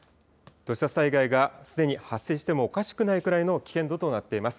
土砂災害がすでに発生してもおかしくないくらいの危険度となっています。